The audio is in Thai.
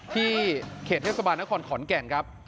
เขตเทศบาลนครขอนแก่นครับ